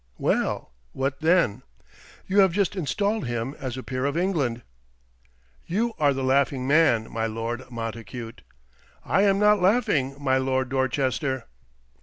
"Well, what then?" "You have just installed him as a peer of England." "You are the laughing man, my Lord Montacute!" "I am not laughing, my Lord Dorchester."